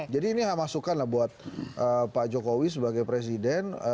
jadi ini masukkan lah buat pak jokowi sebagai presiden